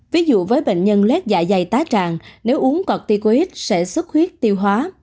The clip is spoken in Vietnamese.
ví dụ với bệnh nhân lét dạ dày tá tràn nếu uống corticoid sẽ sức huyết tiêu hóa